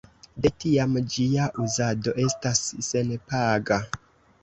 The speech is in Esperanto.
De tiam ĝia uzado estas senpaga.